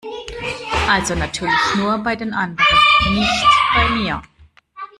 Also natürlich nur bei den anderen, nicht bei mir!